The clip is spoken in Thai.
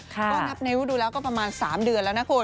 ก็นับนิ้วดูแล้วก็ประมาณ๓เดือนแล้วนะคุณ